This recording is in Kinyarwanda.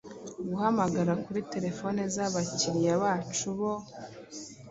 guhamagara kuri terefone, zabakiriya bacu boe